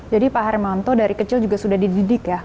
jadi pak hermanto dari kecil sudah dididik ya